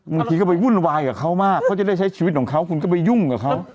บางทีก็ไปวุ่นวายกับเขามากเขาจะได้ใช้ชีวิตของเขาคุณก็ไปยุ่งกับเขา